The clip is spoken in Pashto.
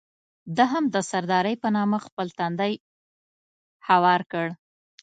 ده هم د سردارۍ په نامه خپل تندی هوار کړ.